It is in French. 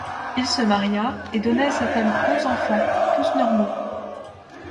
Il se maria et donna à sa femme onze enfants, tous normaux.